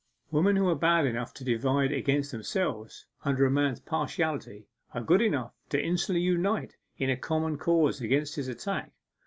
Women who are bad enough to divide against themselves under a man's partiality are good enough to instantly unite in a common cause against his attack.